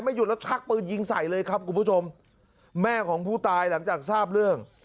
หยุดแล้วชักปืนยิงใส่เลยครับคุณผู้ชมแม่ของผู้ตายหลังจากทราบเรื่อง